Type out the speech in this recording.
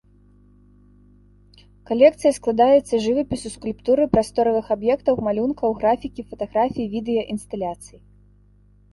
Калекцыя складаецца жывапісу, скульптуры, прасторавых аб'ектаў, малюнкаў, графікі, фатаграфіі, відэа, інсталяцый.